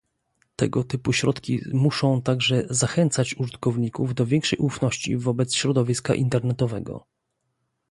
Tego typu środki muszą także zachęcać użytkowników do większej ufności wobec środowiska internetowego